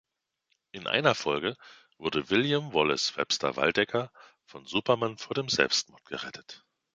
In einer Folge wurde William Wallace Webster Waldecker von Superman vor dem Selbstmord gerettet.